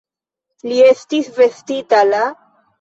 Li estis vestita la?